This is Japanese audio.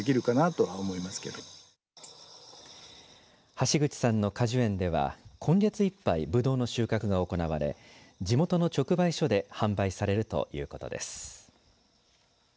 橋口さんの果樹園では今月いっぱいブドウの収穫が行われ地元の直売所で販売されるということです。